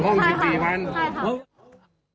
คือต้องการจัดตัวเองอยู่ห้อง๑๔วัน